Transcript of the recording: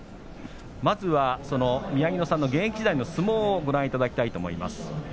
まずは宮城野さんの現役時代の相撲をご覧いただきたいと思います。